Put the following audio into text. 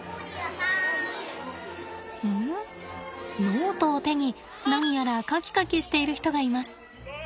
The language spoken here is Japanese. ノートを手に何やら描き描きしている人がいます。